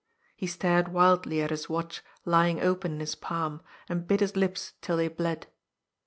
He stared wildly at his watch lying open in his palm, and bit his lips till they bled.